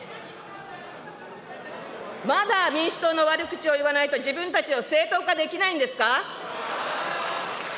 まだ民主党の悪口を言わないと、自分たちを正当化できないんですか。